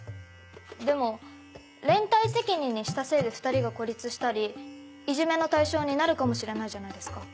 でも連帯責任にしたせいで２人が孤立したりいじめの対象になるかもしれないじゃないですか。